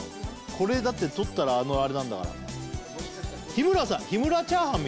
これだって取ったらあのあれなんだから日村さん